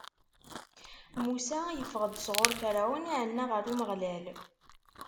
Musa yeffeɣ-d sɣur Ferɛun, iɛenna ɣer Umeɣlal.